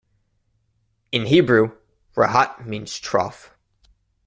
In Hebrew, "rahat" means "trough".